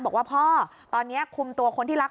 บอกว่าพ่อตอนนี้คุมตัวคนที่รัก